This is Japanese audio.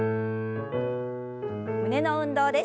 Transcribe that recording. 胸の運動です。